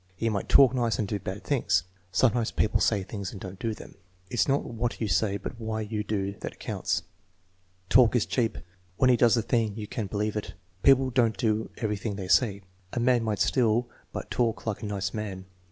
"He might talk nice and do bad things." "Sometimes people say things and don't do them." "It's not what you say but what you do that counts." "Talk is cheap; when he does a thing you can believe it." "People don't do everything they say." "A man might steal but talk like a nice man."